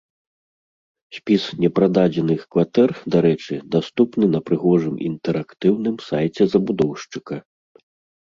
Спіс непрададзеных кватэр, дарэчы, даступны на прыгожым інтэрактыўным сайце забудоўшчыка.